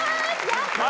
やった！